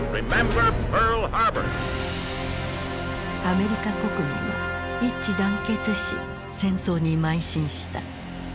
アメリカ国民は一致団結し戦争にまい進した。